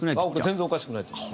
全然おかしくないと思います。